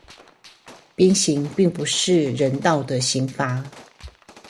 鞭刑並不是人道的刑罰